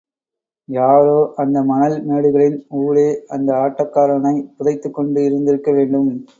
யாரோ, அந்த மணல் மேடுகளின் ஊடே அந்த ஆட்டக் காரனைப் புதைத்துக் கொண்டு இருந்திருக்க வேண்டும்.